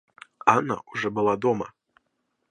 Анна уже была дома.